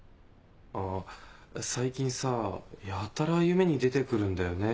最近さやたら夢に出て来るんだよね